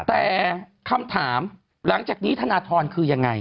แต่คำถามหลังจากนี้ธนทรคือยังไง